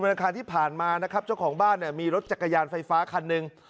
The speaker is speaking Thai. อาคารที่ผ่านมานะครับเจ้าของบ้านเนี่ยมีรถจักรยานไฟฟ้าคันหนึ่ง